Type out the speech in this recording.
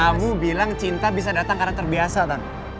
kamu bilang cinta bisa datang karena terbiasa